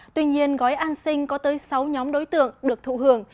tuy nhiên gói an sinh có tới sáu nhóm đối tượng được thụ hưởng